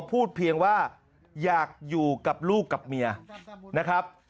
พูดเพียงว่าอยากอยู่กับลูกกับเมียนะครับ